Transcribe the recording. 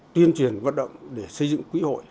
tuyên truyền vận động để xây dựng quỹ hội